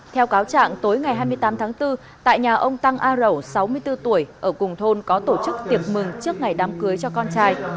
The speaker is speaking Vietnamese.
theo cáo trạng tối ngày hai mươi tám tháng bốn tại nhà ông tăng a rẩu sáu mươi bốn tuổi ở cùng thôn có tổ chức tiệc mừng trước ngày đám cưới cho con trai